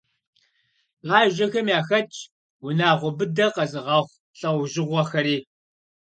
Бэжэхэм яхэтщ унагъуэ быдэ къэзыгъэхъу лӏэужьыгъуэхэри.